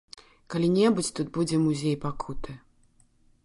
Калі-небудзь тут будзе музей пакуты.